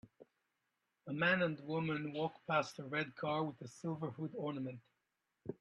A man and a woman walk past a red car with a silver hood ornament